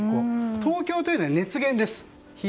東京というのは、熱源です。